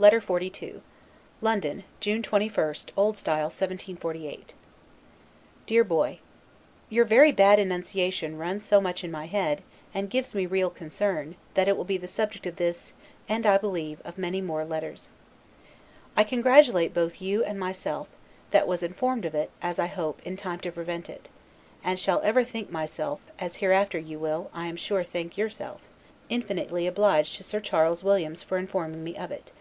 LETTER XLII LONDON, June 21, O. S. 1748. DEAR BOY: Your very bad enunciation runs so much in my head, and gives me such real concern, that it will be the subject of this, and, I believe, of many more letters. I congratulate both you and myself, that, was informed of it (as I hope) in time to prevent it: and shall ever think myself, as hereafter you will, I am sure think yourself, infinitely obliged to Sir Charles Williams for informing me of it.